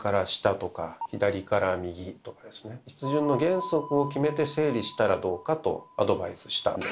筆順の原則を決めて整理したらどうかとアドバイスしたんです。